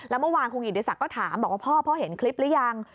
แล้วเมื่อวานคุณกิติศักดิ์ก็ถามบอกว่าพ่อพ่อเห็นคลิปหรือยัง